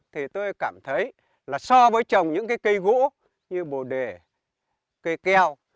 thì tôi cảm thấy là so với trồng những cây gỗ như bồ đề cây keo